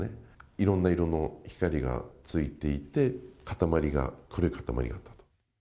いろんな色の光がついていて、塊が、黒い塊があったと。